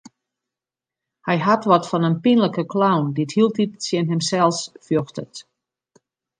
Hy hat wat fan in pynlike clown dy't hieltyd tsjin himsels fjochtet.